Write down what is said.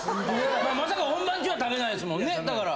まさか本番中は食べないですもんねだから。